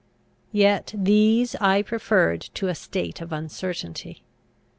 Yet these I preferred to a state of uncertainty.